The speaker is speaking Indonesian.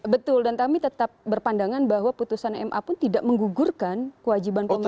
betul dan kami tetap berpandangan bahwa putusan ma pun tidak menggugurkan kewajiban pemerintah